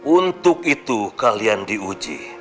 untuk itu kalian diuji